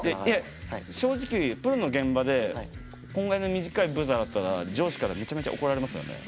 正直、プロの現場でこれぐらいの短いブザーだったら上司からめちゃめちゃ怒られますよね。